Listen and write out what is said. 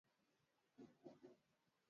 Dalili muhimu ya ugonjwa wa ndigana kali